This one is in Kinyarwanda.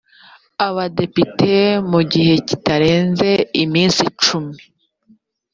abadepite mu gihe kitarenze iminsi cumi